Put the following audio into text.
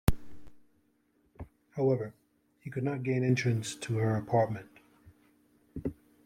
However, he could not gain entrance to her apartment.